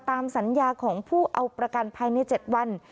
ตามสัญญาของผู้เอาประกันภายใน๗วัน